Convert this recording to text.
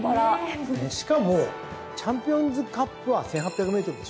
しかもチャンピオンズカップは１，８００ｍでしょ。